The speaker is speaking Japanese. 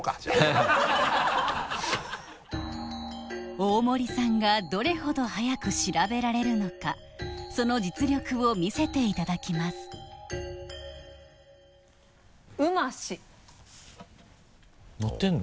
大森さんがどれほど速く調べられるのかその実力を見せていただきます「うまし」載ってるの？